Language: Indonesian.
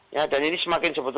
ya dan ini semakin sebetulnya